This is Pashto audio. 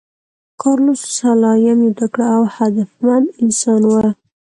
کارلوس سلایم یو تکړه او هدفمند انسان و.